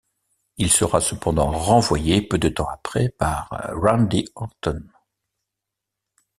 Il sera cependant renvoyé peu de temps après par Randy Orton.